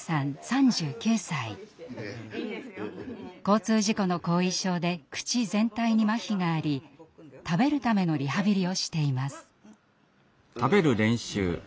交通事故の後遺症で口全体にまひがあり食べるためのリハビリをしています。